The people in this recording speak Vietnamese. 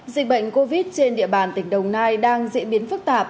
dịch bệnh covid trên địa bàn tỉnh đồng nai đang diễn biến phức tạp